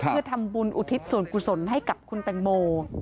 เพื่อทำบุญอุทิศส่วนกุศลให้กับคุณแตงโม